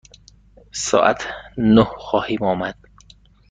ساعت نه خواهیم آمد.